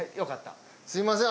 すいません。